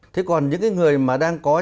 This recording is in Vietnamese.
thế còn những cái người mà đang có